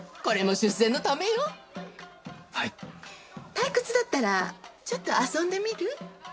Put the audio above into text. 退屈だったらちょっと遊んでみる？